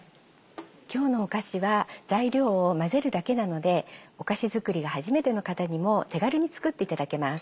今日のお菓子は材料を混ぜるだけなのでお菓子作りが初めての方にも手軽に作っていただけます。